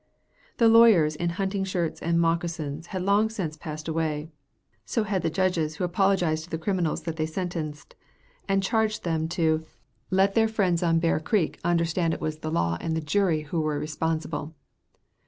The lawyers in hunting shirts and mocassins had long since passed away; so had the judges who apologized to the criminals that they sentenced, and charged them "to let their friends on Bear Creek understand it was the law and the jury who were responsible."